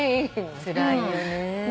つらいよね。